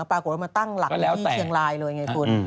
ปรากฏว่ามาตั้งหลักที่เชียงรายเลยไงคุณ